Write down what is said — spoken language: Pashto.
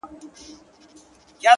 بې دلیله څارنواله څه خفه وي,